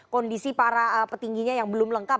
kondisi para petingginya yang belum lengkap